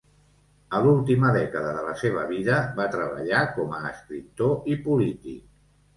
A l'última dècada de la seva vida va treballar com a escriptor i polític.